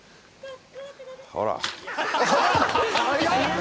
ほら。